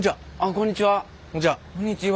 こんにちは。